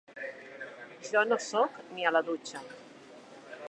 Jo no soc ni a la dutxa.